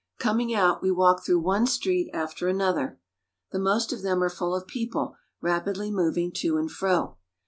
Coming out, we walk through one street after another. The most of them are full of people rapidly moving to and fro.